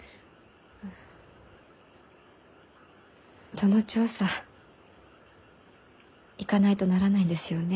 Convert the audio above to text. その調査行かないとならないんですよね？